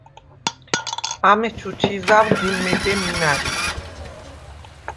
ამეჩუ ჩი ზავ გუნ მეგემ იმა̈რი.